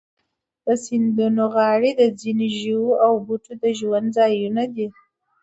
د سیندونو غاړې د ځینو ژوو او بوټو د ژوند ځایونه دي.